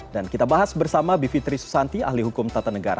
dan kita bahas bersama bivitri susanti ahli hukum tata negara